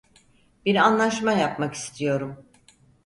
Bir anlaşma yapmak istiyorum.